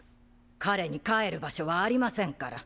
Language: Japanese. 彼に帰る場所はありませんから。